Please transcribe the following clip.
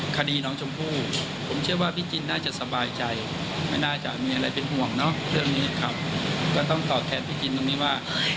ก็ต้องขอแทนพี่จินตรงนี้ว่า